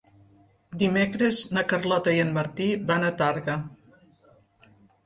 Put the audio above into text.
Dimecres na Carlota i en Martí van a Tàrrega.